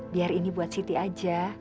biar ini buat siti aja